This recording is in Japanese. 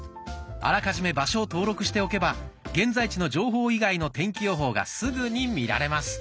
あらかじめ場所を登録しておけば現在地の情報以外の天気予報がすぐに見られます。